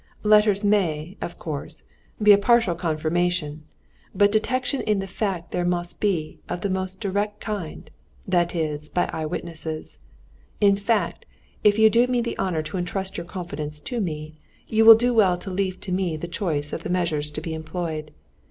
"Letters may, of course, be a partial confirmation; but detection in the fact there must be of the most direct kind, that is, by eyewitnesses. In fact, if you do me the honor to intrust your confidence to me, you will do well to leave me the choice of the measures to be employed.